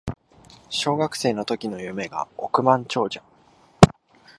小学生の時の夢が億万長者